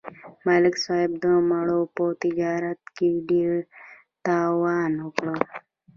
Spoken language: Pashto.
ملک صاحب د مڼو په تجارت کې ډېر تاوان وکړ